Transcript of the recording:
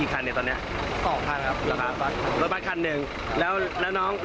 รุ่นปั๊ชคันหนึ่ง